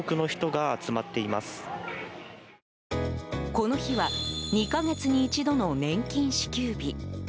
この日は２か月に一度の年金支給日。